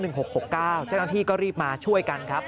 เจ้าหน้าที่ก็รีบมาช่วยกันครับ